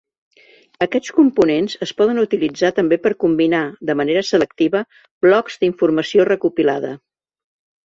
Aquests components es poden utilitzar també per combinar, de manera selectiva, blocs d’informació recopilada.